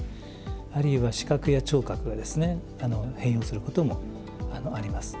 あるいは視覚や聴覚がですね変容することもあります。